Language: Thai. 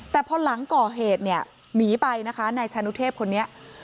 แต่พอหลังก่อเหตุเนี่ยหนีไปนะคะนายชานุเทพคนนี้